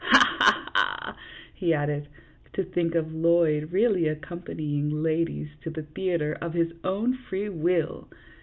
Ha ! ha ! ha !" he added. " To think of Lloyd really accompanying ladies to the theatre of his own free will